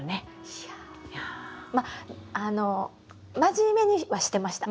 いやまあ真面目にはしてました。